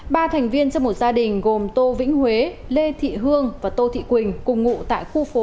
ba thành viên trong một gia đình gồm tô vĩnh huế lê thị hương và tô thị quỳnh cùng ngụ tại khu phố